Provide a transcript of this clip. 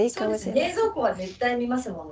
冷蔵庫は絶対見ますもんね。